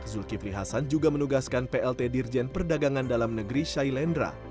zulkifli hasan juga menugaskan plt dirjen perdagangan dalam negeri syailendra